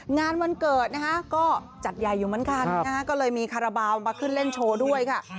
งานวันเกิดนะคะก็จัดใหญ่อยู่เหมือนกันนะฮะก็เลยมีคาราบาลมาขึ้นเล่นโชว์ด้วยค่ะ